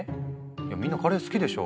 いやみんなカレー好きでしょ？